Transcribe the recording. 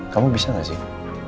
kamu bisa gak sih